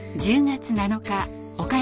１０月７日